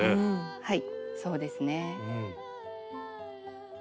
はい。